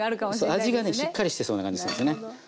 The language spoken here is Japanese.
味がねしっかりしてそうな感じするんですよね。